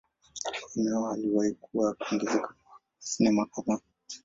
Eneo aliwahi kuwa kuongezeka kwa sinema kadhaa.